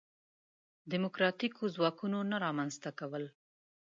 دیموکراتیکو ځواکونو نه رامنځته کول.